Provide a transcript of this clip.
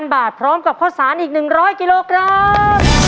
บาทพร้อมกับข้าวสารอีก๑๐๐กิโลกรัม